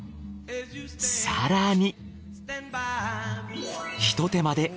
更に。